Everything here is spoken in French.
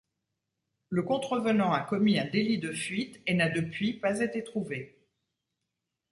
Le contrevenant a commis un délit de fuite et n’a depuis pas été trouvé.